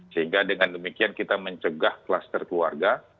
sehingga dengan demikian kita mencegah kluster keluarga